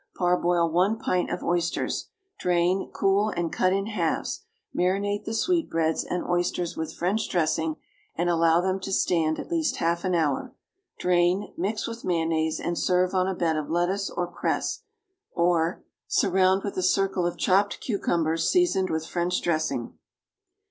Parboil one pint of oysters, drain, cool, and cut in halves; marinate the sweetbreads and oysters with French dressing, and allow them to stand at least half an hour; drain, mix with mayonnaise, and serve on a bed of lettuce or cress. Or, surround with a circle of chopped cucumbers seasoned with French dressing.